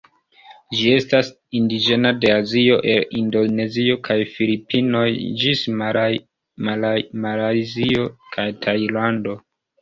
Ĝi estas indiĝena de Azio, el Indonezio kaj Filipinoj ĝis Malajzio kaj Tajlando.